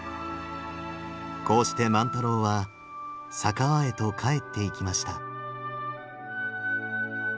こうして万太郎は佐川へと帰っていきました。